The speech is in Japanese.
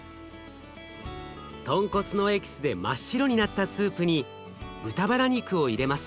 豚骨のエキスで真っ白になったスープに豚バラ肉を入れます。